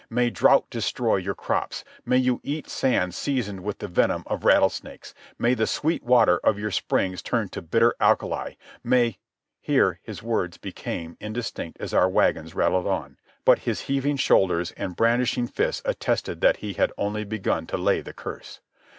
May drought destroy your crops. May you eat sand seasoned with the venom of rattlesnakes. May the sweet water of your springs turn to bitter alkali. May ..." Here his words became indistinct as our wagons rattled on; but his heaving shoulders and brandishing fist attested that he had only begun to lay the curse.